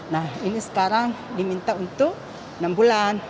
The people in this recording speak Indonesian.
nah ini sekarang diminta untuk enam bulan